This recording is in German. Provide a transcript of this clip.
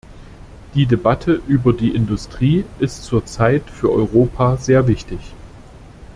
Die Debatte über die Industrie ist zurzeit für Europa sehr wichtig.